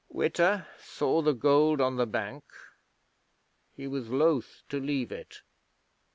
Witta saw the gold on the bank; he was loath to leave it.